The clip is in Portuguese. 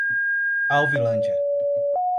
Alvinlândia